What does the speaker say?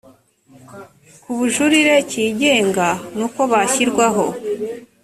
k ubujurire kigenga n uko bashyirwaho